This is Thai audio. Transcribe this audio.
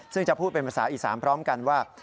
ซึ่งจะพูดเป็นภาษาอีสานพร้อมกันว่า